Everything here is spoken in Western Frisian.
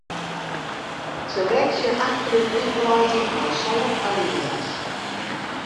Seleksje achterút útwreidzje mei sân alinea's.